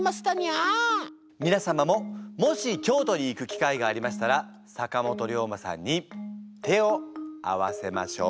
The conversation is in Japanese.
みな様ももし京都に行く機会がありましたら坂本龍馬さんに手を合わせましょう。